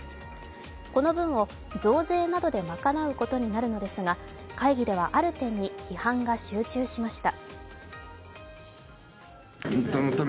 この分を増税などで賄うことになるのですが会議では、ある点に批判が集中しました。